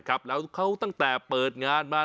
แก้ปัญหาผมร่วงล้านบาท